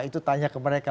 itu tanya ke mereka